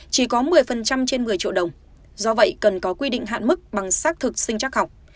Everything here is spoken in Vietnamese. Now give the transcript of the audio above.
chỉ có một mươi trên một mươi triệu đồng do vậy cần có quy định hạn mức bằng xác thực sinh chắc học